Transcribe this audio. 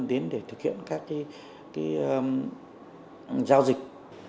đến để thực hiện các cái giao dịch